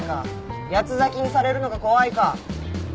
八つ裂きにされるのが怖いか。